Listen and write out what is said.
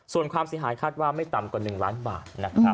ส่วนความเสียหายคาดว่าไม่ต่ำกว่า๑ล้านบาท